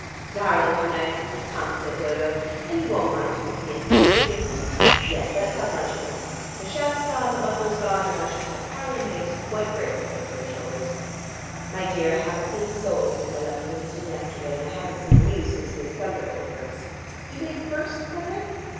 "Darling, how nice of you to come," said Dodo, "and you won't mind pigging it in here, will you? Yes, let's have lunch at once. The chef's gone, the butler's gone, and I shall have parlour maids with white braces over their shoulders. My dear, I haven't seen a soul since I left Winston yesterday, and I haven't seen you since this thunderbolt burst. Do they burst, by the way?